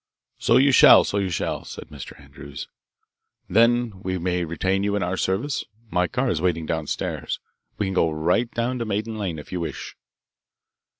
"So you shall, so you shall," said Mr. Andrews. "Then we may retain you in our service? My car is waiting down stairs. We can go right down to Maiden Lane if you wish."